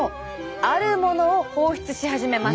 あるものを放出し始めます。